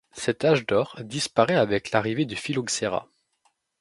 Cet âge d'or disparaît avec l'arrivée du phylloxera.